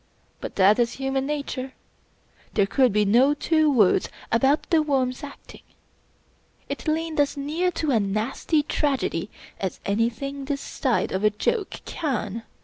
But that is human nature. There could be no two words about The Worm's acting. It leaned as near to a nasty tragedy as anything this side of a joke can.